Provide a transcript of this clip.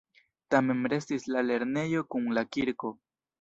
Tamen restis la lernejo kun la kirko.